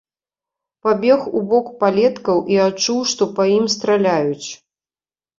Пабег у бок палеткаў і адчуў, што па ім страляюць.